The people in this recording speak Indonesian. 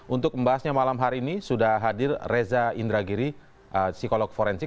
untuk membahasnya malam hari ini sudah hadir reza indragiri psikolog forensik